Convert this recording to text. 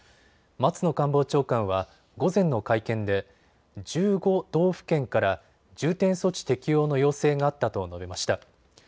松野官房長官は午前の会見で１５道府県から重点措置適用の要請があったと述べました。